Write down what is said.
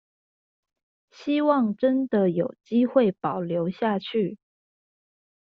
希望真的有機會保留下去